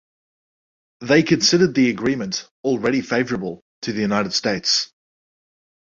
They considered the agreement already favorable to the United States.